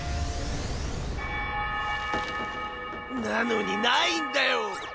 なのにないんだよ。